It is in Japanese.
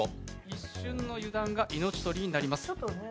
一瞬の油断が命取りになります。